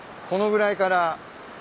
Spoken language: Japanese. このぐらいから。